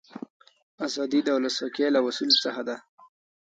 آزادي د ولسواکي له اصولو څخه ده.